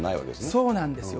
そうなんです。